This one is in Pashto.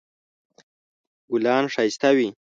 ګلان ښایسته وي